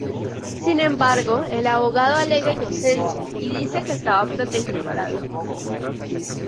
Sin embargo, el abogado alega inocencia, y dice que estaba protegiendo a la víctima.